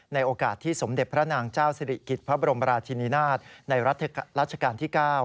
ในโอกาสที่สมเด็จพระนางเจ้าสิริกิจพระบรมราชินินาศในรัชกาลที่๙